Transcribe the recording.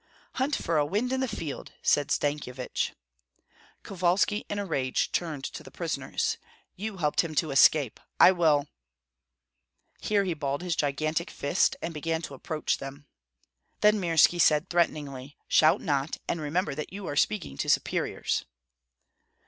"Hunt for a wind in the field!" said Stankyevich. Kovalski, in a rage, turned to the prisoners. "You helped him to escape! I will " Here he balled his gigantic fist, and began to approach them. Then Mirski said threateningly, "Shout not, and remember that you are speaking to superiors."